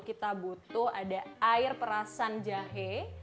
kita butuh ada air perasan jahe